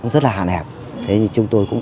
rất là hạn hẹp thế thì chúng tôi cũng